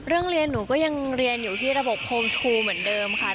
เรียนหนูก็ยังเรียนอยู่ที่ระบบโฮมชูเหมือนเดิมค่ะ